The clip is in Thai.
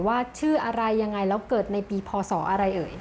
ว่าชื่ออะไรยังไงแล้วเกิดในปีพศอะไรเอ่ย